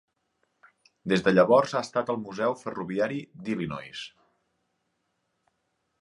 Des de llavors ha estat al Museu ferroviari d'Illinois.